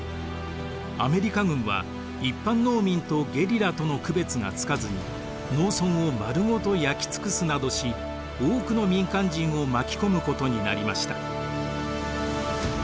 アメリカ軍は一般農民とゲリラとの区別がつかずに農村を丸ごと焼き尽くすなどし多くの民間人を巻き込むことになりました。